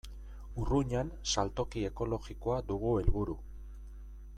Urruñan saltoki ekologikoa dugu helburu.